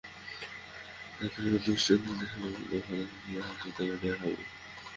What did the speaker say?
স্বরাষ্ট্র মন্ত্রণালয় থেকে সুনির্দিষ্ট নির্দেশনা পেলে খালেদা জিয়াকে হাসপাতালে নেওয়া হবে।